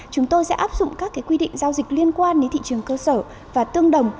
chúng tôi sẽ áp dụng các quy định giao dịch liên quan đến thị trường cơ sở và tương đồng